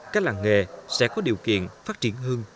các làng nghề sẽ có điều kiện phát triển hơn